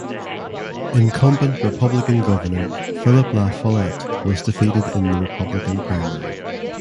Incumbent Republican Governor Philip La Follette was defeated in the Republican primary.